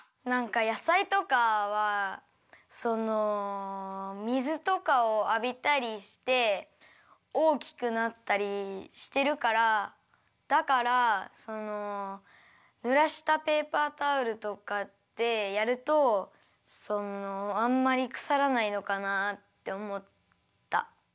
なんかやさいとかはその水とかをあびたりしておおきくなったりしてるからだからそのぬらしたペーパータオルとかでやるとそのあんまりくさらないのかなっておもった。